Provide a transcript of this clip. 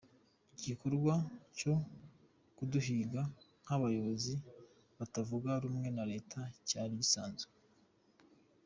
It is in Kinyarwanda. Igikorwa cyo kuduhiga nk’abayobozi batavuga rumwe na Leta cyari gisanzwe.